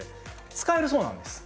使えるそうなんです。